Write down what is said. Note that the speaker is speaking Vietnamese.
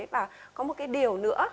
và có một cái điều nữa